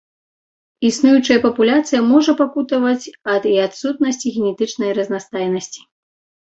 Існуючая папуляцыя можа пакутаваць ад і адсутнасці генетычнай разнастайнасці.